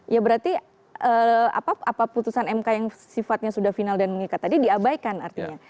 ya berarti apa putusan mk yang sifatnya sudah final dan mengikat tadi diabaikan artinya